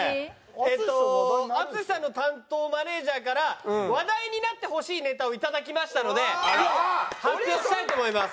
えっと淳さんの担当マネージャーから話題になってほしいネタを頂きましたので発表したいと思います。